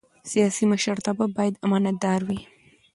سیاسي مشرتابه باید امانتدار وي